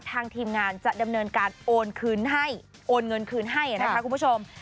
ทางทีมงานจะดำเนินการโอนเงินคืนให้นะคะคุณผู้ชม